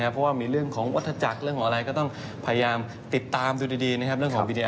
ดูเรื่องเป็นตัวเล่งเศรษฐกิจในอนาคต